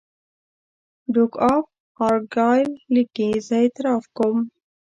ډوک آف ارګایل لیکي زه اعتراف کوم.